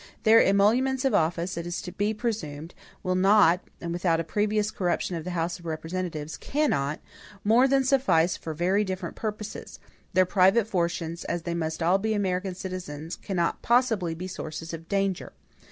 Their emoluments of office, it is to be presumed, will not, and without a previous corruption of the House of Representatives cannot, more than suffice for very different purposes; their private fortunes, as they must all be American citizens, cannot possibly be sources of danger.